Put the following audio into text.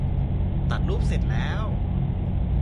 ตัดรูปเสร็จแล้ว